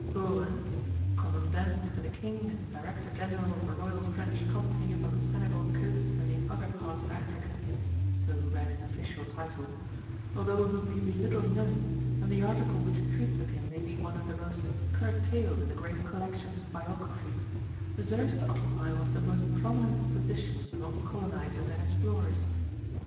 Brue, _Commandant for the King and Director general of the Royal French Company upon the Senegal Coast and in other parts of Africa_ so ran his official title although he may be little known, and the article which treats of him may be one of the most curtailed in the great collections of biography, deserves to occupy one of the most prominent positions among colonizers and explorers.